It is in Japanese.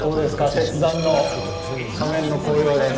鉄山の斜面の紅葉です。